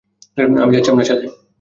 আমি যাচ্ছি আপনার সাথে।